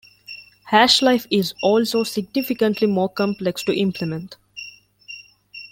Hashlife is also significantly more complex to implement.